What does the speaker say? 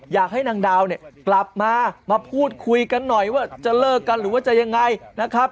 อยากให้นางดาวเนี่ยกลับมามาพูดคุยกันหน่อยว่าจะเลิกกันหรือว่าจะยังไงนะครับ